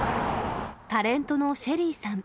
タレントのＳＨＥＬＬＹさん。